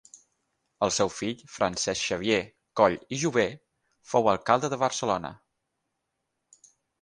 El seu fill, Francesc Xavier Coll i Jover fou alcalde de Barcelona.